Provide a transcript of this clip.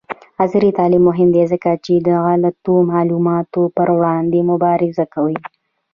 عصري تعلیم مهم دی ځکه چې د غلطو معلوماتو پر وړاندې مبارزه کوي.